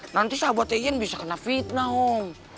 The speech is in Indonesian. nanti sahabatnya iyan bisa kena fitnah om